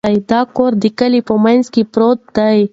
دا کور د کلي په منځ کې پروت دی.